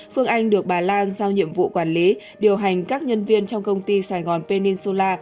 phương anh được bà lan giao nhiệm vụ quản lý điều hành các nhân viên trong công ty sài gòn pennsola